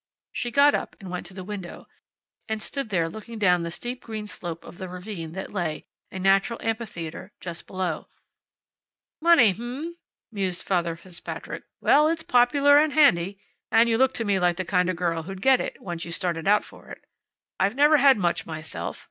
She got up and went to the window, and stood looking down the steep green slope of the ravine that lay, a natural amphitheater, just below. "Money, h'm?" mused Father Fitzpatrick. "Well, it's popular and handy. And you look to me like the kind of girl who'd get it, once you started out for it. I've never had much myself.